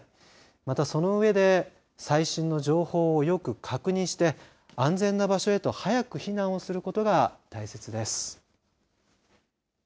また、そのうえで最新の情報をよく確認して安全な場所へと早く避難をすることが大切です。